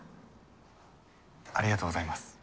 ありがとうございます。